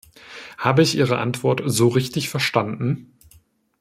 Habe ich Ihre Antwort so richtig verstanden?